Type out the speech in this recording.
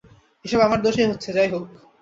এসব আমার দোষেই হচ্ছে, যাই হোক।